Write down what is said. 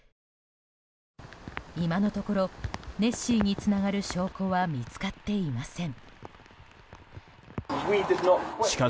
今のところ、ネッシーにつながる証拠は見つかっていません。